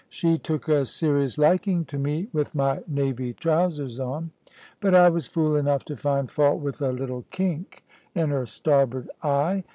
She took a serious liking to me, with my navy trousers on; but I was fool enough to find fault with a little kink in her starboard eye.